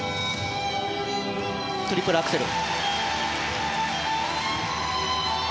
トリプルアクセル。